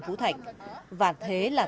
đất bà trần thị liên